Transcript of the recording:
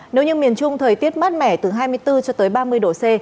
nếu như miền trung thời tiết mát mẻ từ hai mươi bốn cho tới ba mươi độ c